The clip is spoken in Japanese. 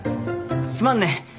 すまんね。